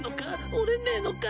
折れねえのか？